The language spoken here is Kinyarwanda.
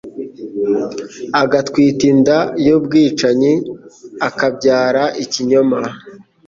agatwita inda y’ubwicanyi akabyara ikinyoma